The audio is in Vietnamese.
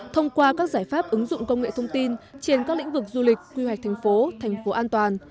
thông qua các giải pháp ứng dụng công nghệ thông tin trên các lĩnh vực du lịch quy hoạch thành phố thành phố an toàn